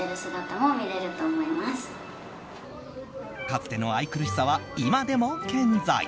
かつての愛くるしさは今でも健在。